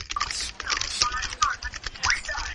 宾州线也是唯一周末仍有班车营运的路线。